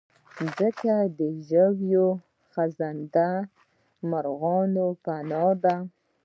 مځکه د ژوي، خزنده، مرغانو پناه ده.